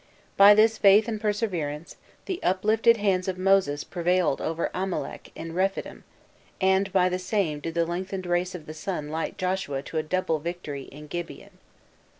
By this faith and perseverance, the uplifted hands of Moses prevailed over Amalek in Rephidim; and by the same did the lengthened race of the sun light Joshua to a double victory in Gibeon."